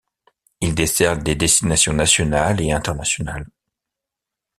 Il dessert des destinations nationales et internationales.